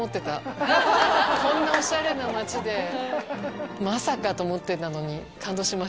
こんなおしゃれな街でまさか！と思ってたのに。